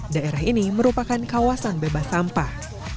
daerah ini merupakan kawasan bebas sampah